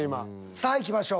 さあいきましょう。